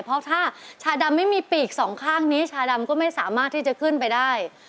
เพราะถ้าชาดำไม่มีปีกสองข้างนี้ชาดำก็ไม่สามารถที่จะขึ้นไปได้